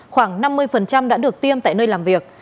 khoảng năm mươi đã được tiêm tại nơi làm việc